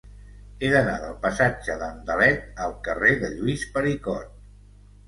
He d'anar del passatge d'Andalet al carrer de Lluís Pericot.